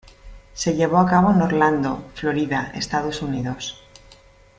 Se llevó a cabo en Orlando, Florida, Estados Unidos.